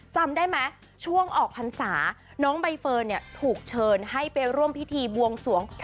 จำได้ไหมช่วงออกพรรษาน้องใบเฟิร์นเนี่ยถูกเชิญให้ไปร่วมพิธีบวงสวง